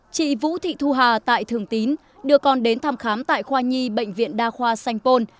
chị vũ thị thu hà tại thường tín đưa con đến thăm khám tại khoa nhi bệnh viện đa khoa sanh pôn